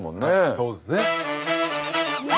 そうですね。